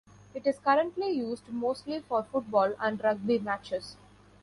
It is currently used mostly for football and rugby matches.